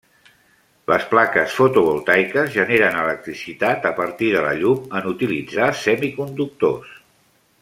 Les plaques fotovoltaiques generen electricitat a partir de la llum en utilitzar semiconductors.